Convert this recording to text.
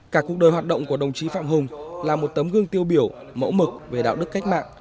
cả cuộc đời hoạt động của đồng chí phạm hùng là một tấm gương tiêu biểu mẫu mực về đạo đức cách mạng